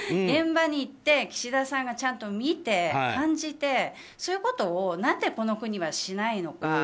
現場に行って岸田さんがちゃんと見て、感じてそういうことをなぜ、この国はしないのか。